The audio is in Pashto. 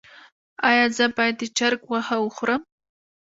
ایا زه باید د چرګ غوښه وخورم؟